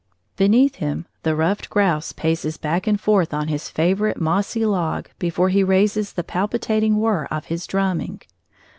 Beneath him the ruffed grouse paces back and forth on his favorite mossy log before he raises the palpitating whirr of his drumming.